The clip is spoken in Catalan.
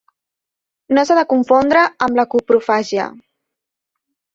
No s'ha de confondre amb la coprofàgia.